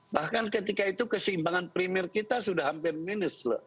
bahkan ketika itu keseimbangan primer kita sudah hampir minus